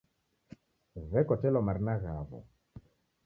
W'ekotelwa marina ghawo